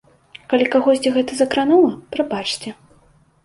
Калі кагосьці гэта закранула, прабачце.